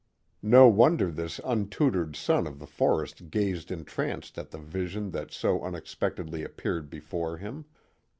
No wonder this untutored son of the forest gazed entranced at the vision that so unexpectedly appeared before him.